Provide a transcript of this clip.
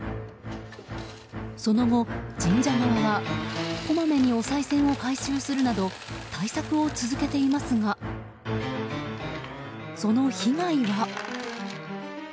その後、神社側は、こまめにおさい銭を回収するなど対策を続けていますがその被害は？